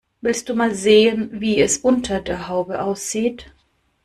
Willst du mal sehen, wie es unter der Haube aussieht?